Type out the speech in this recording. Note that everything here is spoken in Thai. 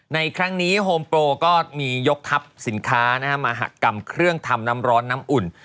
ในครั้งนี้โฮมโปรก็มียกทัพสินค้ามหากรรมเครื่องทำน้ำร้อนน้ำอุ่น